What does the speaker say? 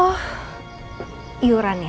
oke sebentar saya ambil uangnya ya